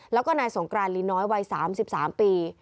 แล้วก็นายสงกรานลินน้อยวัย๓๓ปี